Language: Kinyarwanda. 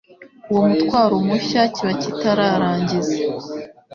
uwo mutwaro mushya. Kiba kitararangiza